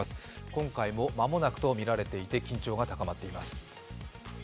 今回も間もなくとみられていて緊張が高まっています。